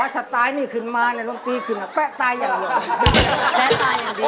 สไตล์นี้ขึ้นมาแป๊บกะตายอย่างเดียว